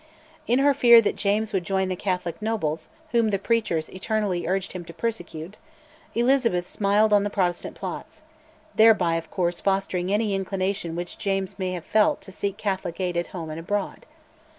In her fear that James would join the Catholic nobles, whom the preachers eternally urged him to persecute, Elizabeth smiled on the Protestant plots thereby, of course, fostering any inclination which James may have felt to seek Catholic aid at home and abroad.